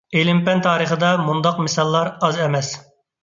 ئىلىم-پەن تارىخىدا مۇنداق مىساللار ئاز ئەمەس.